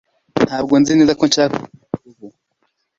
Ntabwo nzi neza ko nshaka gukora ubu